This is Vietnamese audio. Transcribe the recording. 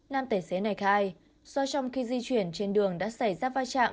nam tài xế này khai do trong khi di chuyển trên đường đã xảy ra vai trạm